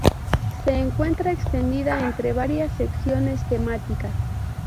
Se encuentra extendida entre varias secciones temáticas.